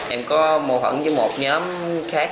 em có mâu thuẫn với một nhóm khác